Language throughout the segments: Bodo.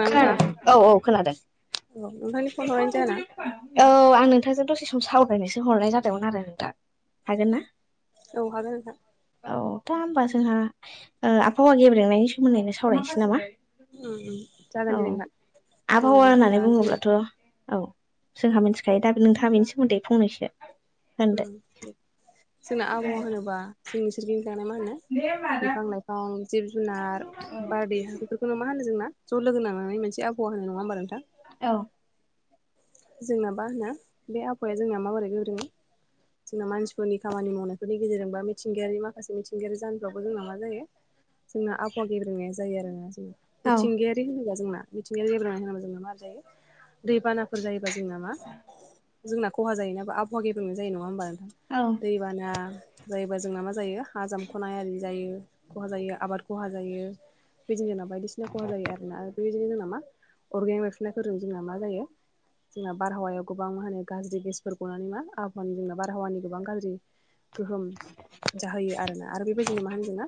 नोंथां खोनादों औ औ खोनादों औ नोंथांनि फन हरनायनि जाहोना औ आं नोंथांजों दसे सम सावरायनोसो हरनाय जादोंमोन आरो नोंथां हागोन ना? औ हागोन नोंथां औ दा होमबा जोंहा ओ आबहावा गेब्रेंनायनि सोमोन्दैनो सावरायनोसै नामा? उम उम जागोन औ दे नोंथां आबहावा जोंना मा होननानै होनो जोंना बुङोब्लाथ' औ जोंहा मिथिखायो दा नोंथाङा बेनि सोमोन्दै फंनैसो होनदो उम दे जोंना आबाहावा होनोबा जोंनि सोरगिदिं थानाय मा होनो बिफां लाइफां जिब जुनार बारदै हा बेफोर खौनो मा होनो जोंना ज' लोगोनानानै मोनसे आबहावा होनो नङा होमबा नोंथां? औ जोंना मा होननो बे आहावाया जोंना माबोरै गोब्रेङो जोंना मानसिफोरनि खामानि मावनायफोरनि गेजेरजोंबा मिथिंगायारि माखासे मिथिंगायारि जाहोनफ्रावबो जोंना मा जायो? जोंना आबहावा गेब्रेंनाया जायो आरोना जोंना औ मिथिंगायारि होनोब्ला जोंना मिथिंगायारि गेब्रेंनाय होनोब्ला जोंना मार जायो दैबाना फोर जायोबा जोंना मा जोंना ख'हा जायो नाबा आबहावा गेब्रेंनाय जायो नङा होमबा औ दैबाना जायोबा जोंना मा जायो हा जामख'नाय आरि जायो ख'हा जायो आबाद ख'हा जायो। बेदिनो जोंना बायदिसिना ख'हा जायो आरोना बेदिनो जोंनाव मा अरगें लबेरफ्रुनायजों जोंना मा जायो जोंना बारहावायाव गोबां मा होनो गाज्रि गेसफोर गनानै मा आहावानि जोंना बारहावानि गोबां गाज्रि गोहोम जाहोयो आरोना आरो बेबायदिनो मा होनो जोंना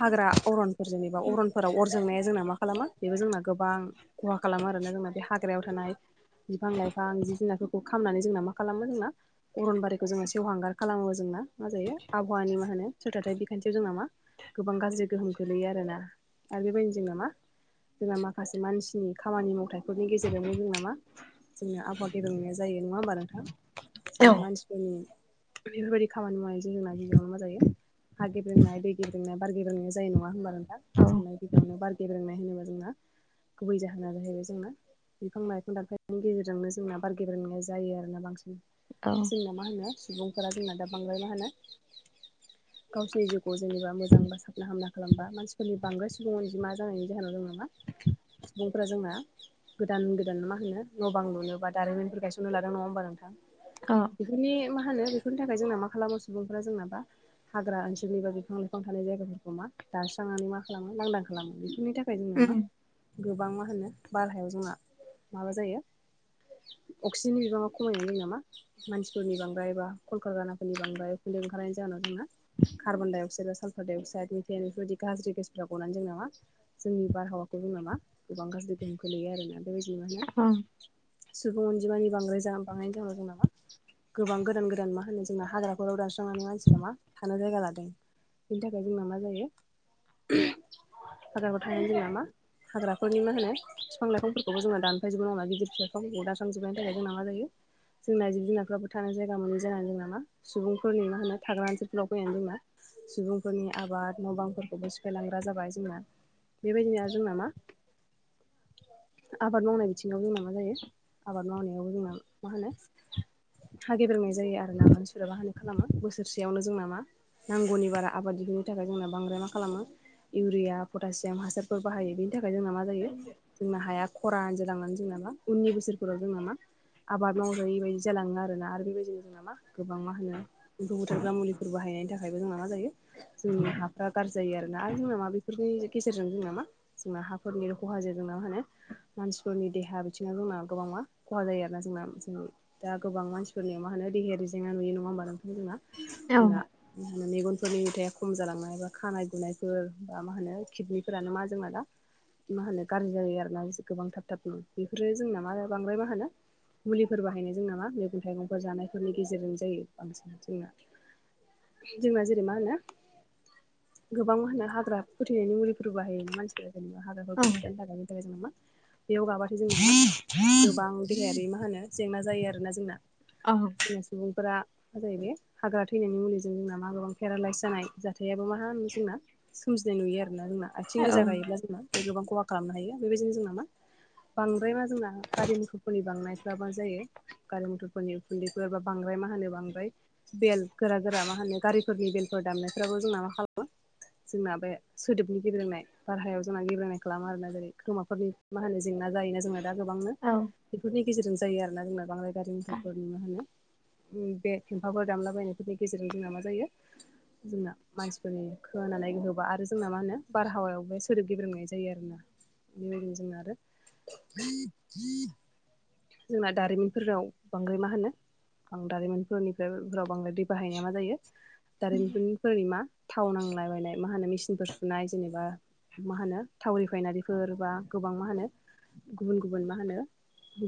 हाग्रा अरनफोर जेनेबा अरनफोराव अर जोंनाया जोंना मा खालामो बेबो जोंना गोबां ख'हा खालामो आरोना जोंना बे हाग्रायाव थानाय बिफां लाइफां जिब जुनारफोरखौ खालामनानै जोंना मा खालामो जोंना अरनबारिखौ जोङो सेवहांगार खालामो जोंना मा जायो आबहावानि मा होनो सोरथाथाय बिखान्थियाव जोंना मा गोबां गाज्रि गोहोम गोलैयो आरोना आरो बेबायदिनो जोंना मा जोंना माखासे मानसिनि खामानि मावथाइफोरनि गेजेरजोंबो जोंना मा जोंना आबाद गेबेंनाया जायो नङा होमबा नोंथां जोंना मानसि नि बेफोरबायदि खामानि मावनायजों जोंना गिबियावनो मा जायो हा गेब्रेंनाय दै गेब्रंनाय बार गेब्रेंनाय जायो नङा होमबा नोंथां? औ सोंनाय गिबियावनो बार गेब्रेंनाय होनोबा जोंना गुबै जाहोना जाहैबाय जोंना बिफां लाइफां दानफाय बेनि गेजेरजोंनो जोंना बारगेब्रेंनाया जायो आरोना बांसिन औ जोंना मा होनो सुबुंफोरा जोंना दा बांद्राय मा होनो [inaudible] गावसिनि जिउखौ जेनेबा मोजां बा साबना हामना खालामबा मानसिफोरनि बांद्राय सुबुं अनजिमा जानायनि जाहोनाव जोंना मा सुबुंफ्रा जोंना गोदान गोदान मा होनो न' बां लुनो बा दारिमिनफोर गायसननो लादों नङा होमबा नोंथां? अ' बेफोरनि मा होनो बेफोरनि थाखाय जोंना मा खालामो सुबुंफोरा जोंना दा हाग्रा ओनसोलनि बा बिफां लाइफां थानाय जायगाफोरखौ मा दानस्रांनानै मा खालामो लांदां खालामो बेफोरनि थाखाय [unintelligible] जोंना मा गोबां मा होनो बारहावाया जोंहा माबा जायो अक्सिजेननि बिबाङा खमायनाय जायो नामा? मानसिफोरनि बांद्राय बा कलकारगानाफोरनि बांद्राय फैल ओंखारनायनि जाहोनाव जोंना कार्बन डाइअक्साइड बा साल्फार डाइ अक्साइड मिथेन बेफोरबायदि गाज्रि गेसाव गनानै जों नामा जोंनि बारहावाखौ दं नामा गोबां गाज्रि गोहोम खखोल्लैयो आरोना बेबायदि मा होनो [unintelligible] सुबुं अनजिमानि बां्राय बांायनो जाहां ददों नामा। गोबां गोदान गोदान मा होनो जोंना हाग्राखौ राव दानस्रांनानै मानसिफ्रा मा थानो जायगा लादों। बिनि थाखाय जोंना मा जायो बाजाराव थनानै जोंना मा हाग्राफोरनि मा होनो बिफां लाइफांफोरखौबो जोंना दानफैजोबो नङा गिदिर सेरखां गरदास्रांजोबनायनि थाखाय जोंना मा जायो जोंना जिब जुनारफ्राबो थानाय जायगा मोनै जानानै जों नामा सुबुंफोरनि मा होनो थाग्रा ओनसोलफोराव फैनानै जों मा सुबुंफोरनि आबाद न' बांफोरखौबो सिफायलांग्रा जाबाय जोंना बेबायदिनो जोंना मा आबाद मावनाय बिथिङाव जोंना मा जायो आबाद मावनायावबो जोंना मा होनो। हागेब्रोंनाय जायो आरो ना मान सोराबा हानो खालामो बोसोरसेयावनो जोंना मा नांगौनि बारा आबाद दिफोरनि थाखाय जोंना बांद्राय मा खालामो। इउरिया पटासियाम हासारफोर बाहायो बेनि थाखाय जोंना मा ज जोंना हाया खरा आनज लांनानै जोंना मा उननि बोसोरफोराव जोंना मा आबाद मावनोैबायदि जालाङो आरोना आरो बेबायदि जोंना मा गोबां मा होनो ओ्फौ बुथारग्रा मुलिफोर बाहायनायनि थाखायबो जोंना मा जायो जोंनि हा गाज्रि जायो आरोना आरो जोंना मा बेफोरनि गेजेरजों जोंना मा जोंना हाफोरनि खहााजों जोंना मा होनो मानसिफोरनि देहा बिथिङाव जोंना गोबांा खहा जायो आरो ना जोंना जोंनि दा गोबां मानसिफोरनियाव मा होनो देहायारि जेंना नुयो नङा होमबा नोंथां जोंना जोंना मा होनो मेगनफोरनि मुथा खम जालांनाय बा खानाय गुनायफोर बा मा होनो किडनिफोरानो मा जोंना दा मा होनो गाज्रि जायो आरोना गोबां थाब थाब नङ बेफोरो जोंना मा बांद्राय मा होनो। मुलिफोर बाहायनाय जों नामा मैगं थाइगंफोर जानायफोरनि गेजेरजों जायो बांसिन जोंना जोंना जेरै मा होनो। गोबां मा होनो हाग्रा फोथैनायनि मुलिफोर बाहायनो मानसि जेनेबा हाग्राफोरखौ फुथानो थाखायनि थाखाय जों नामा बेयाव गाबथायो जोंना नामा गोबां देहायारि मा होनो जेंना जायो आरोना जोंना। अ [inaudible] जोंना सुबुंफोरा मा जाहैबाय हाग्रा थैनायनि मुलिजों जोंना मा गोबां पेरालाइस जानाय जाथायाबो मा होनो जोंना सोमजिनाय नुयो आरोना जोंना आथिं गोजा गायोब्ला जोंना बे गोबां खहा खालामनो हायो बेबायदिनो जोंना मा बांद्राय मा जोंना गारि मुखरफोरनि बांनायफ्राबो जायो। गारि मथरफोरनि उखुन्दैफोर बा बांद्राय मा होनो बांद्राय बेल गोरा गोरा मा होनो गारिफोरनि बेलफोर दामनायफ्राबो जोंना मा खालामो जोंना बे सोदोबनि गेबेनाय बारहायाव जोंना गेबेनाय खालामो आरोना जेरै खोमाफोरनि मा होनो जेंना जा जोंना दा गोबांनो बेफोरनि गेजेरजों जायो आरोोना जों बां्राय गारि मथरफोरनि मा होनो [inaudible] बे थेंफाफोर दामलाबायनायफोरनि गेजेराव जोंना मा जायो जोंना मानसिफोरनि खोनानै होबा आरो जोंना मा होनो बारहावायाव बे सोदोब गेब्रेनाय जायो आरोना। बेना आरो [inaudible] जोंना दारिमिनफोराव बांद्राय मा होनो दारिमनफोरनिफ्रायाव बांद्राय बाहायनाया मा जायो ारेन्टफोर बओोरै मा थाव नांलाायबायनाय मा होनो मेसििनफोर सुनाय जेनेबा मा होनो थाव रिफाइनारिफोर बा गोबां मा होनो गुबुन गुबुन मा होनो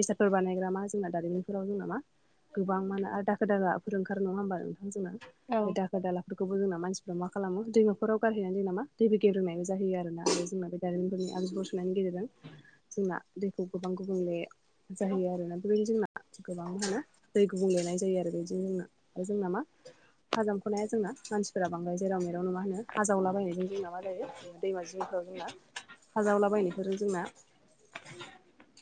बेसादफोर बानायग्रा मा जोंना दारिमिनफोराव जोंना मा गोबां मानो आरो दाखा दाखाफोर ओखार नङा होमबा नोंथांजोंनो बे द दालाफोरखौबो जोंना मानसिफ्रा मा खालामो दैमाफोराव गारहैनानै जों नामा दै गे्रोंनायबो जाहयो आरोना आरो जोंना जारिमिननि आंज गसोननायनि गेजेरजों जोंखौ गोबां गुबुंले जाहैयो आरोोना बेनो जोंना गोबां मा होनो दै गुबुं लिरनाय जायो आरो बिदिनो जोंना आरो जोंना मा हाजामख'नाया जोंना मानसिफोरा बांद्राय जेराव मेरावनो मा होनो हा जावलाबायनायजों जोंना मा जायो। दैमा जिंफ्राव जोंना हा जावलाबायनायफोरा जोंना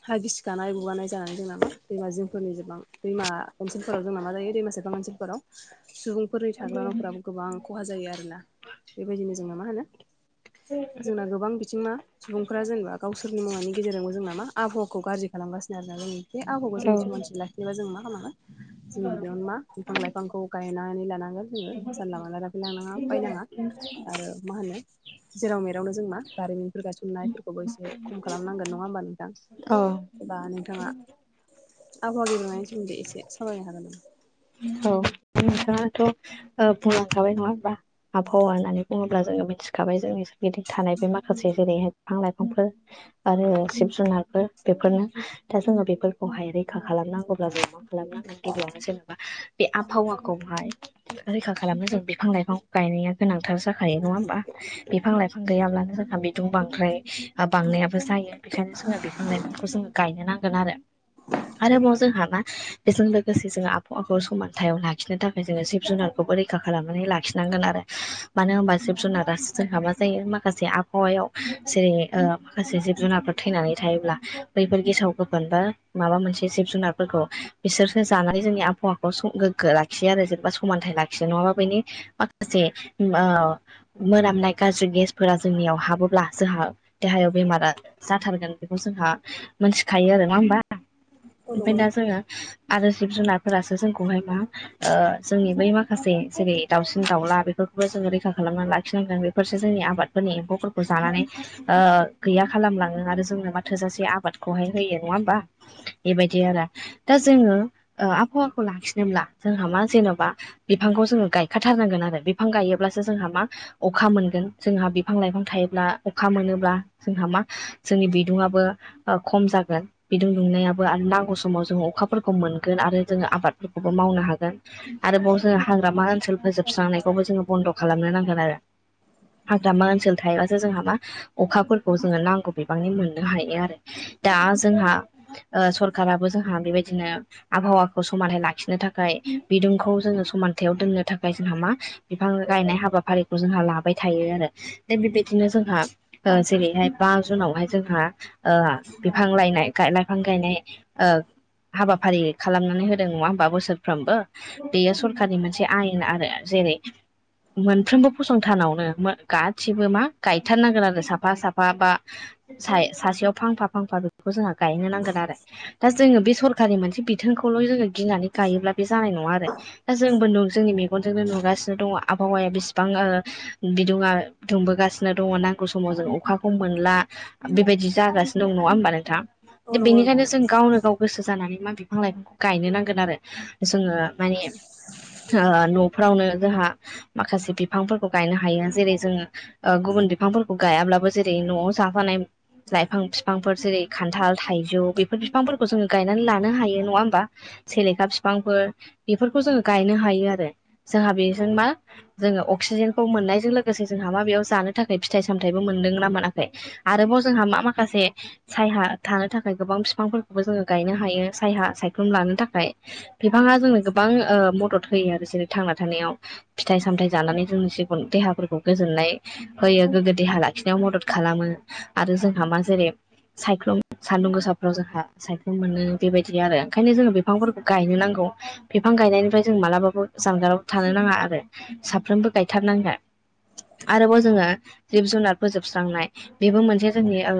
हा गिसिखानाय गुगानाय जानानै जोंना मा दैमा जिंफोरनि जेबां दैमा ओनसोलफोराव जोंना मा जायो दैमा सेफां ओनसोलफोराव सुबुं [unintelligible] थाग्रा न'फोराबो गोबां खहा जायो आरोना बेबायदिनो जोङो मा होनो जोंना गोबां बिथिं मा सुबुंफोरा जेनेबा गावसोरनि मुवानि गेजेरजोंबो जों ना मा आबहावा गाज्रि खालामगासिनो आरोना जोंनि बे आबहावाखौ औ जों सम [unintelligible] जेनेबा जों मा खालामांगोन जों गिबियावनो मा बिफां -लाइफांखौ गायनानै लानांगोन जोङो जानला- मानला लाफैलांनाङा बायनाङा आरो मा होनो जेराव मेरावनो जों मा जारिमिनफोर गायसननायफोरखौबो एसे खम खालामनांगोन नङा होमबा नों? औ औ एबा नोंथाङा आबहावा गेब्रेंनायनि सोमोन्दै एसे सावरायनो हागोन नामा? औ। नोंथाङाथ' बुंलांखाबाय नङा होमबा? आबहावा होन्नानै बुङोब्ला जोङो मिथिखाबाय जोंनि सोरगिदिं थानाय बे माखासे जेरैहाय बिफां- लाइफांफोर आरो जिब- जुनारफोर बेफोरनो दा जोङो बेफोरखौहाय रैखा खालामनांगौब्ला जों मा खालामनांगोन गिबियावनो जेनेबा बे आबहावाखौ [unintelligible] रैखा खालामो जों बिफां -लाइफां गायनाया गोनांथार जाखायो नङा होमबा? बिफां- लाइफां गैयाब्लानो जोंहा गुदुं बांद्राय बांनायाबो जायो बेखायनो जोङो बिफां- लाइफांखौ जोङो गायनो नांगोन आरो। आरोबाव जोंहा मा बेजों लोगोसे जों आबहावाखौ समानथायाव ला लाखिनो थाखाय जोङो जिब -जुनारखौबो रैखा खालामनानै लाखिनांगोन आरो मानो होनबा जिब- जुनारासो जोंहा मा जायो माखासे आबहावायाव जेरै माखासे ओ जिब- जुनारफोर थैनानै थायोब्ला बैफोर गेसाव गोफोन बा माबा मोनसे जिब- जुनारफोरखौ बिसोरसो जानानै जोंनि आबहावाखौ गोग्गो लाखि लाखियो आरो जेनेबा समानथाइ लाखिनाय नङाबा बेनि माखासे ओ मोनामनाय गाज्रि गेसफोरा जोंनियाव हाबोब्ला जोंहा देहायाव बेमारा जाथारगोन बेखौ जोंहा मोनथिखायो आरो नङा होमबा? औ नंगौ ओमफ्राय दा नोंथां जोङो आरो जिब जुनारफोरासो जोंखौहाय मा ओ जोंनि बै माखासे जेरै दाउसिन -दाउला बेफोरखौबो जोङो रैखा खालामनानै लाखिनांगोन बेफोरसो जोंनि आबाद -फोरनि एम्फौफोरखौ जानानै गैया खालामलाङो आरो जोंनो मा थोजासे आबादखौहाय होयो नङा होमबा? बेबायदि आरो दा जोङो आबहावाखौ लाखिनोब्ला जोंहा मा जेन'बा बिफांखौ जोङो गायखाथारनांगोन आरो बिफां गायोब्लासो जोंहा मा अखा मोनगोन जोंहा बिफां -लाइफां थायोब्ला अखा मोनोब्ला जोंहा मा जोंनि बिदुआबो खम जागोन। बिदुं दुंनायाबो आरो नांगौ समाव जोङो अखाफोरखौ मोनगोन आरो जोङो आबादफोरखौबो मावनो हागोन। आरोबाव जोङो हाग्रामा ओनसोल फोजोबस्रांनायखौबो जोङो बन्द' खालामनो नांगोन आरो। हाग्रामा ओनसोल थायोबासो जोंहा मा अखाफोरखौ जोङो नांगौ बिबांनि मोननो हायो आरो दा जोंहा ओ सरखाराबो जोंहा बेबायदिनो आबहावाखौ समानै लाखिनो थाखाय बिदुंखौ जोङो समानथायाव दोननो थाखाय जोंहा मा बिफां गायनाय हाबाफारि जोंहा लाबाय थायो आरो दा बेबायदिनो जोंहा जेरैहाय बा जुनावहाय जोंहा ओ बिफां लायनाय लाइफां गायनाय हाबाफारि खालामनानै होदों नङा होमबा? बोसोर सानफ्रोमबो बेयो सरखारनि मोनसे आयेन आरो जेरै मोनफ्रोमबो फसंथानावनो गा-गासिबो मा गायथारनांगोन आरो साफा साफा बा सा- सासेयाव फांफा फांफा बेखौ जोंहा गायनो नांगोन आरो। दा जोङो बे सरकारि मोनसे बिथोनखौल' जोङो गिनानै गायोब्ला बे जानाय नङा आरो दा जोंबो नु जोंनि मेगन मेगनजोंनो नुगासिनो दङ आबहावाया बिसिबां ओ बिदुङा दुंबोगासिनो दङ ना। नांगौ समाव जों अखाखौ मोनला बेबायदि जागासिनो दं नङा होमबा नोंथां? औ नंगौ बेनिखायनो नोंथां जों गावनो गाव गोसो जानानै मा बिफां लाइफांखौ गायनो नांगोन आरो जोङो माने ओ न'फोरावनो जोंहा माखासे बिफांफोरखौ गायनो हायो जेरै जोङो गुबुन बिफांफोरखौ गायाब्लाबो जेरै न'आव जाफानाय लाइफां फिफांफोर जेरै खान्थाल थाइजौ बेफोर फिफांफोरखौ जोङो गायनानै लानो हायो नङा होमबा? सेलेखा फिफांफोर बेफोरखौ जोङो गायनो हायो आरो जोंहा बेजों मा जोङो अक्सिजेनखौ मोननायजों लोगोसे जोंहा मा बेयाव जानो थाखाय फिथाइ सामथाइबो मोनदोंना मोनाखै आरोबाव जोंहा मा माखासे सायहा थानो थाखाय गोबां फिफांफोरखोबो जोङो गायनो हायो सायहा सायख्लुम लानो थाखाय। बिफाङा जोंनो गोबां ओ मदद होयो आरो जेरै थांना थानायाव फिथाइ सामथाय जानानै जोंनि जिबन देहाफोरखौ गोजोननाय होयो गोग्गो देहा लाखिनायाव मदद खालामो आरो जोंहा मा जेरै सायख्लुम सान्दुं गोसाफ्राव जोंहा सायख्लुम मोनो बेबायदि आरो ओंखायनो जोङो बिफांफोरखौ गायनो नांगौ। बिफां गायनायनिफ्राय जों मालाबाबो जानगाराव थानो नाङा आरो साफ्रोमबो गायथारनांगोन। आरोबाव जोङो जिब जुनार फोजोबस्रांनाय बेबो मोनसे जोंनि ओ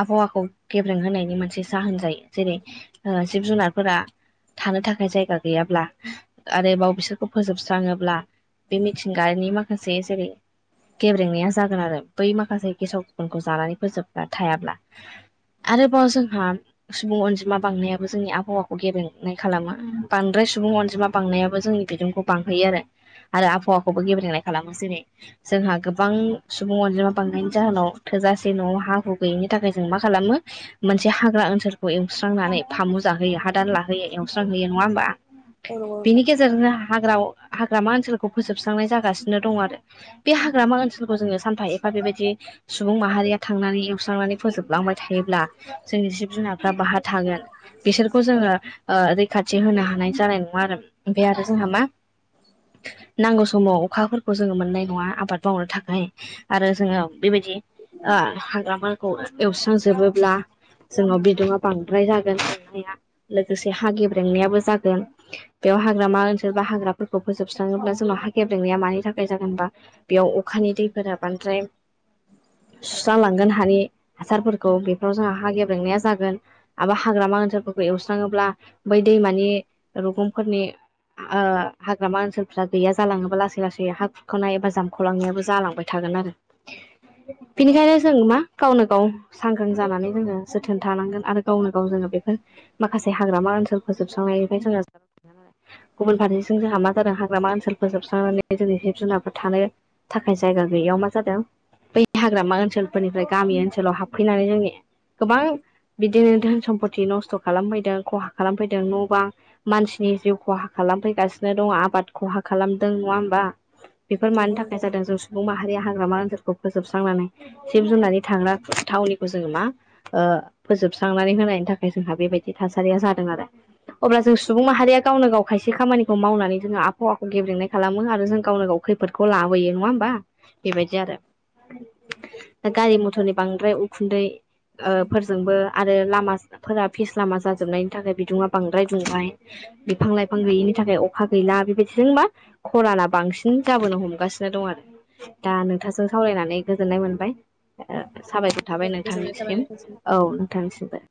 आबहावाखौ गेब्रेंहोनायनि मोनसे जाहोन जायो। जेरै ओ जिब जुनारफोरा थानो था जायगा गैयाब्ला आरोबाव बिसोरखौ फोजोबस्राङोब्ला बे मिथिंगानि माखासे जेरै गेब्रेंनाया जागोन आरो बै माखासे गेसाव गोफोनखौ जानानै फोजोबग्रा थायाब्ला। आरोबाव जोंहा सुबुं अनजिमा बांनायाबो जोंनि आबहावाखौ गेबेंनाय खालामो। बांद्राय सुबुं अनजिमा बांनायाबो जोंनि बिदुंखौ बांहोयो आरो। आरो आबहावाखौबो गेब्रेंनाय खालामो जेरै जोंहा गोबां सुबुं अनजिमा बांनायनायनि जाहोनाव थोजासे न'आव हा हु गैयिनि थाखाय जों मा खालामो मोनसे हाग्रा ओनसोलखौ एवस्रांनानै फामु जाहोयो हादान लाहोयो एवस्रां होयो नङा ओमबा औ नंगौ बिनि नोंथां गे [unintelligible] हाग्रा हाग्रामा ओनसोलखौ फोजोबस्रांनाय जागासिनो दं आरो। बे हाग्रामा ओनसोलखौ जोङो सानफा एफा बेबायदि सुबुं माहारिया थांनानै एवस्रांनानै फोजोबलांबाय थायोब्ला जोंनि जिब जुनारफ्रा बाहा थागोन बिसोरखौ जोङो ओ रैखाथि होनो हानाय जानाय नङा आरो। ओमफाय आरो जोंहा मा नांगौ समाव अखाफोरखौ जोङो मोननाय नङा आबाद मावनो थाखाय। आरो जोङो बेबायदि ओ हाग्राफोरखौ एवस्रांजोबोब्ला। जोंनाव बिदुङा बांद्राय जागोन दुंनाया लोगोसे हा गेब्रेंनायाबो जागोन। बेयाव हाग्रामा ओसोल बा हाग्राफोरखौ फोजोबस्राङोब्ला जोंनाव हा गेब्रेंनाया मानि थाखाय जागोन होनबा बेयाव अखानि दैफोरा बांद्राय सुस्रांलांगोन हानि हासारफोरखौ बेफोराव जोंहा हा गेब्रेंनाया जागोन। आबा हाग्रामा ओनसोलफोरखौ एवस्राङोब्ला बै दैमानि रुगुंफोरनि ओ हाग्रामा ओनसोलफ्रा गैया जालाङोबा लासै लासै हा खुरखानाय एबा जामख'लांनायाबो जालांबाय थागोन आरो। बिनिखायनो जों मा गावनो गाव सांग्रां जानानै जोङो जोथोन थानांगोन आरो गावनो गाव जोङो बेफोर माखासे हाग्रामा ओनसो फोजोबस्रांनायनिफ्राय जोंङो गुबुन फारसेजों जोंहा मा जादों हाग्रामा ओनसोलफोर जोबस्रांनानै जोंनि जिब जुनारफोर थानो थाखाय जायगा गैयियाव मा जादों बै हाग्रामा ओनसोलफोरनिफ्राय गामि ओनसोलाव हाबफैनानै जोंनि गोबां बिदिनो धोन सम्पति नस्थ' खालामफैदों खहा खालामफैदों न' बां मानसिनि जिउ खहा खालामफैगासिनो दङ आबाद खहा खालामदों नङा ओमबा। बेफोर नंगौ मानि नोंथां, थाखाय जादों जों सुबुं माहारिया हाग्रामा ओनसोलखौ फोजोबस्रांनानै जिब जुनारनि थाग्रा थावनिखौ जोङो मा ओ फोजोबस्रांनानै होनायनि थाखाय जोंहा बेबायदि थासारिया जादों आरो। अब्ला जों सुबुं माहारिया गावनो गाव खायसे खामानिखौ मावनानै जोङो आबहावाखौ गेब्रेंनाय खालामो आरो जों गावनो गाव खैफोदखौ लाबोयो नङा होमबा बेबायदि आरो। गारि मथरनि बांद्राय उखुन्दै ओ फोरजोंबो आरो लामा सामा फोरा फिस लामा जाजोबनायनि थाखाय बिदुङा बांद्राय दुंबाय। बिफां-लाइफां गैयिनि थाखाय अखा गैला बेबायदिजों मा खराना बांसिन जाबोनो हमगासिनो दं आरो। दा नोंथांजों सावरायायनानै गोजोननाय मोनबाय। ओ साबायखर थाबाय औ गोजोननाय थाबाय नोंथांनिसिम। नोंथांसिम औ नोंथांनिसिमबो।